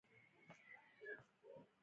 توقعات مو باید د عمل جامه واغوندي